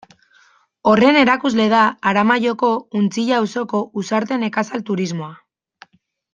Horren erakusle da Aramaioko Untzilla auzoko Uxarte Nekazal Turismoa.